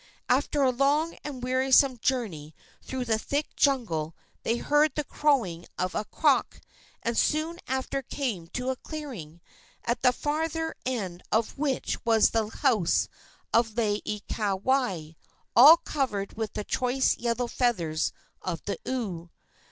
After a long and wearisome journey through the thick jungle they heard the crowing of a cock, and soon after came to a clearing, at the farther end of which was the house of Laieikawai, all covered with the choice yellow feathers of the oo.